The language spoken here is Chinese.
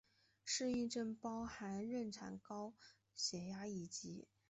适应症包含妊娠高血压以及。